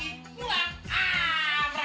jawa udah bulat